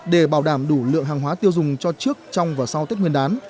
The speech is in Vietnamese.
để bảo đảm đủ lượng hàng hóa tiêu dùng cho trước trong và sau tết nguyên đán